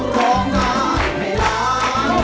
เวลาสุดท้าย